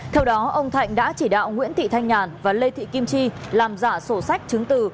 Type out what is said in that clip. theo đó ông thạnh đã chỉ đạo nguyễn thị thanh nhàn và lê thị kim chi làm giả sổ sách chứng từ